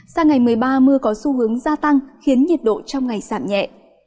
sang ngày một mươi ba mưa có xu hướng gia tăng khiến nhiệt độ trong ngày giảm nhẹ